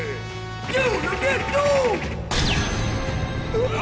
うわ！